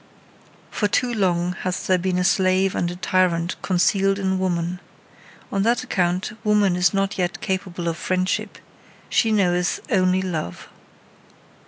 Far too long hath there been a slave and a tyrant concealed in woman. On that account woman is not yet capable of friendship: she knoweth only love.